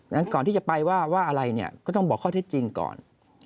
ก่อนที่จะไปว่าว่าอะไรเนี่ยก็ต้องบอกข้อเท็จจริงก่อน